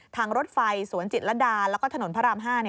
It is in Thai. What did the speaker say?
รถไฟสวนจิตรดาแล้วก็ถนนพระราม๕